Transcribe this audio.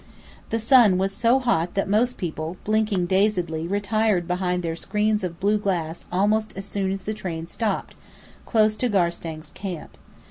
The sun was so hot that most people, blinking dazedly, retired behind their screens of blue glass almost as soon as the train stopped, close to Garstang's camp.